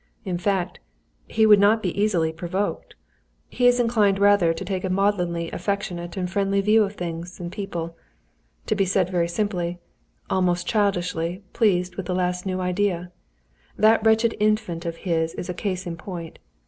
In fact, he would not be easily provoked. He is inclined rather to take a maudlinly affectionate and friendly view of things and people; to be very simply, almost childishly, pleased with the last new idea. That wretched Infant of his is a case in point.